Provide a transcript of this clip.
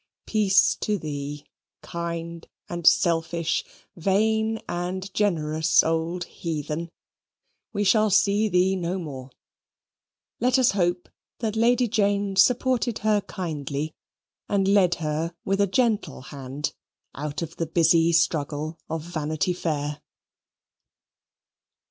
Peace to thee, kind and selfish, vain and generous old heathen! We shall see thee no more. Let us hope that Lady Jane supported her kindly, and led her with gentle hand out of the busy struggle of Vanity Fair.